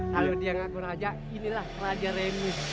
kalau dia mengaku raja inilah raja remi